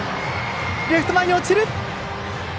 レフト前に落ちた！